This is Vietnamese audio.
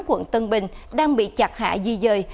quận tân bình đang bị chặt hạ di dời